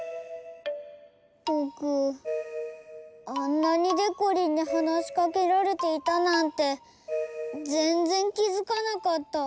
ぼくあんなにでこりんにはなしかけられていたなんてぜんぜんきづかなかった。